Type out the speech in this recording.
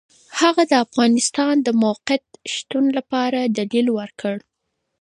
هغه د افغانستان د موقت شتون لپاره دلیل ورکړ.